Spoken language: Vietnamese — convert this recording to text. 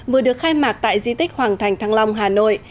vừa được khai mạc tại di tích hoàng thành thăng long hà nội